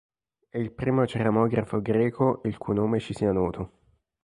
È il primo ceramografo greco il cui nome ci sia noto.